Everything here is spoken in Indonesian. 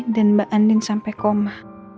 dan mbak andin sampai koma